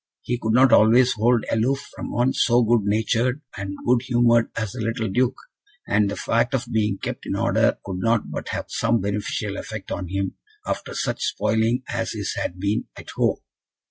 He could not always hold aloof from one so good natured and good humoured as the little Duke; and the fact of being kept in order could not but have some beneficial effect on him, after such spoiling as his had been at home.